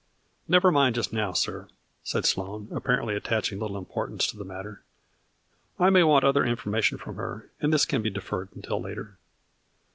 " Never mind just now, sir," said Sloane, ap parently attaching little importance to the matter ;" I may want other information from her, and this can be deferred until later."